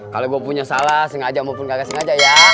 kalo gua punya salah sengaja maupun kagak sengaja ya